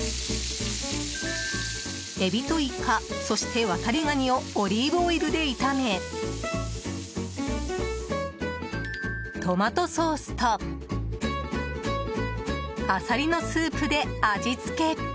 エビとイカ、そしてワタリガニをオリーブオイルで炒めトマトソースとアサリのスープで味付け。